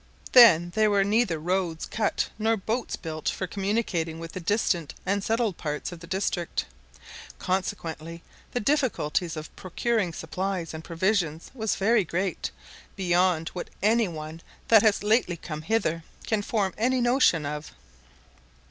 Then there were neither roads cut nor boats built for communicating with the distant and settled parts of the district; consequently the difficulties of procuring supplies of provisions was very great, beyond what any one that has lately come hither can form any notion of.